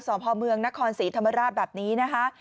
สพเมืองนครศรีธรรมราชแบบนี้นะคะ